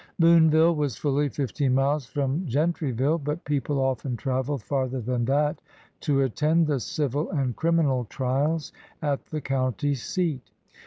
Boonville was fully fifteen miles from Gentry ville, but people often traveled farther than that to attend the civil and criminal trials at the county seat.